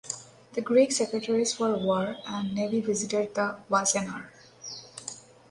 The Greek secretaries for war and navy visited the "Wassenaar".